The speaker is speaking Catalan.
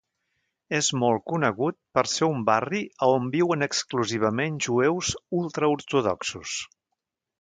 És molt conegut per ser un barri a on viuen exclusivament jueus ultraortodoxos.